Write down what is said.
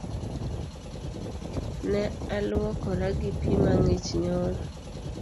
Ne alwuokora gi pii mang’ich nyoro